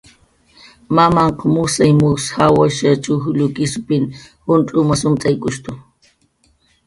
Mamanhq mujsay mujs jawasha, chujllu, kisupin juncx'umas umt'aykutu.